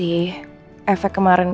ini efek kemarinnya